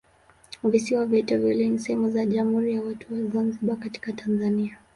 Visiwa vyote viwili ni sehemu za Jamhuri ya Watu wa Zanzibar katika Tanzania.